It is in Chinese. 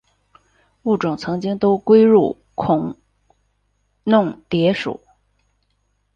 物种曾经都归入孔弄蝶属。